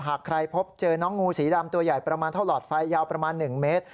หากใครพบเจอน้องงูสีดำตัวใหญ่ประมาณเท่าหลอดไฟยาวประมาณ๑เมตร